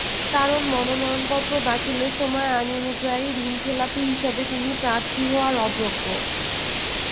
কারণ, মনোনয়নপত্র দাখিলের সময় আইনানুযায়ী ঋণখেলাপি হিসেবে তিনি প্রার্থী হওয়ার অযোগ্য।